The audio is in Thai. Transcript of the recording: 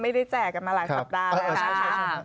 ไม่ได้แจกกันมาหลายสัปดาห์แล้ว